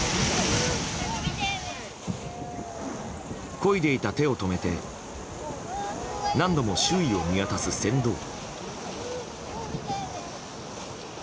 こいでいた手を止めて何度も周囲を見渡す船頭員。